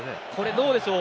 どうでしょう。